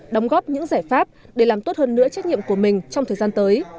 đóng góp những giải pháp để làm tốt hơn nữa trách nhiệm của mình trong thời gian tới